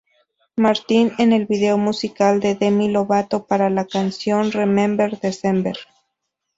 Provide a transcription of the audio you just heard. Martin en el video musical de Demi Lovato para la canción "Remember December".